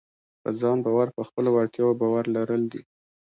په ځان باور په خپلو وړتیاوو باور لرل دي.